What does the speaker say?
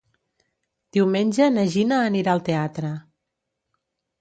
Diumenge na Gina anirà al teatre.